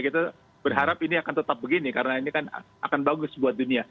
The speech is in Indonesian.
kita berharap ini akan tetap begini karena ini kan akan bagus buat dunia